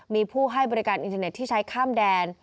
มีผู้ให้บริการอินเทอร์เน็ตที่ใช้ข้ามแดน